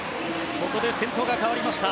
ここで先頭が変わりました。